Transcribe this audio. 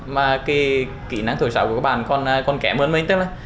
mà cái kỹ năng thủy sáo của các bạn còn kém hơn mình